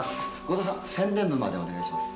後藤さん宣伝部までお願いします。